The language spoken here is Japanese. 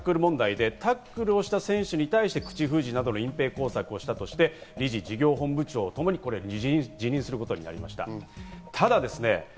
ＶＴＲにあった悪質タックル問題でタックルをした選手に対して口封じなどの隠蔽工作をしたとして理事、事業本部長をともに辞任することになりました。